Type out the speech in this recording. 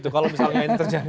kalau misalnya itu terjadi